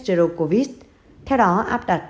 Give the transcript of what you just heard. zero covid theo đó áp đặt